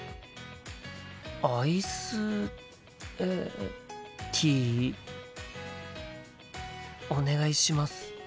アイスえティーお願いします。